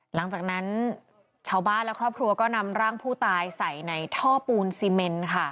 หลังจากนั้นชาวบ้านและครอบครัวก็นำร่างผู้ตายใส่ในท่อปูนซีเมนค่ะ